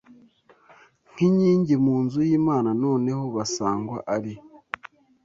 nk’inkingi mu nzu y’Imana noneho basangwa ari